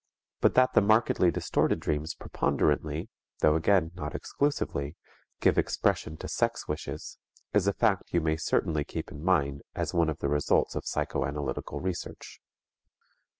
But that the markedly distorted dreams preponderantly though again not exclusively give expression to sex wishes, is a fact you may certainly keep in mind as one of the results of psychoanalytical research.